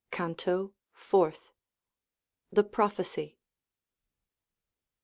CANTO FOURTH. The Prophecy.